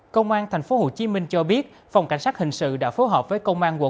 công an tp hcm cho biết phòng cảnh sát hình sự đã phối hợp với công an quận một